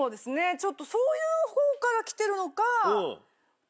ちょっとそういうほうから来てるのか。